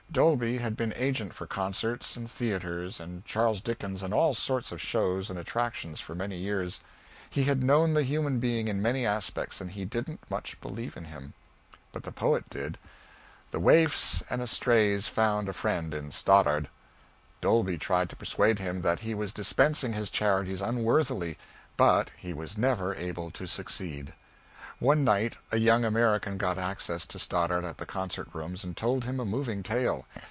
Dolby had been agent for concerts, and theatres, and Charles Dickens and all sorts of shows and "attractions" for many years; he had known the human being in many aspects, and he didn't much believe in him. But the poet did. The waifs and estrays found a friend in Stoddard: Dolby tried to persuade him that he was dispensing his charities unworthily, but he was never able to succeed. One night a young American got access to Stoddard at the Concert Rooms and told him a moving tale.